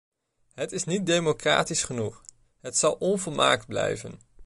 Het is niet democratisch genoeg, het zal onvolmaakt blijven.